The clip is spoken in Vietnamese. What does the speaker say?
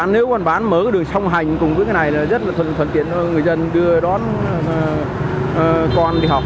nếu con bán mở cái đường song hành cùng với cái này là rất là thuận tiện người dân đưa đón con đi học